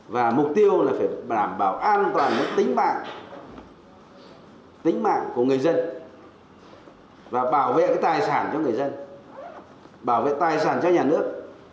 và mục tiêu là phải bảo an toàn tính mạng của người dân và bảo vệ tài sản cho người dân bảo vệ tài sản cho nhà nước